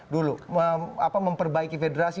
dulu memperbaiki federasi